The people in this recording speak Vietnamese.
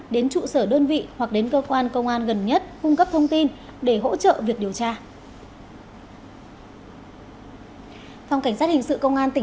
đến trụ sở đơn vị hoặc đến cơ quan công an gần nhất cung cấp thông tin để hỗ trợ việc điều tra